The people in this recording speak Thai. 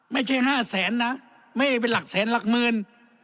ไม่ใช่๕แสนนะไม่ใช่เป็นหลักแสนหลักหมื่น